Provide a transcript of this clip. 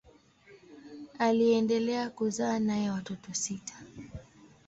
Aliendelea kuzaa naye watoto sita.